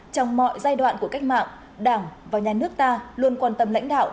trong mọi giai đoạn của cách mạng đảng và nhà nước ta luôn quan tâm lãnh đạo